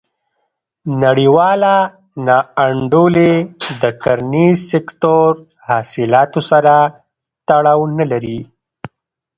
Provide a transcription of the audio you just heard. نړیواله نا انډولي د کرنیز سکتور حاصلاتو سره تړاو نه لري.